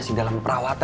he dia pemburu